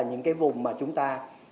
những cái vùng mà chúng ta